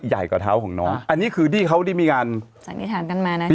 ใหญ่กว่าเท้าของน้องอันนี้คือที่เขาได้มีการสันนิษฐานกันมานะคะ